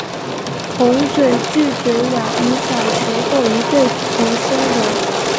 红嘴巨嘴鸟以小群或一对的生活。